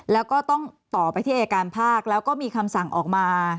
แล้วก็ต้องต่อไปที่อายการภาคแล้วก็มีคำสั่งออกมา